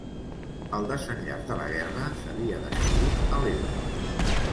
El desenllaç de la guerra s'havia decidit a l'Ebre.